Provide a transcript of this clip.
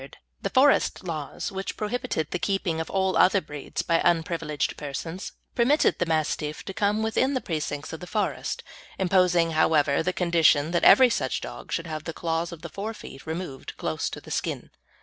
the Forest Laws, which prohibited the keeping of all other breeds by unprivileged persons, permitted the Mastiff to come within the precincts of a forest, imposing, however, the condition that every such dog should have the claws of the fore feet removed close to the skin.